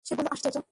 সে বলল, আশ্চর্য!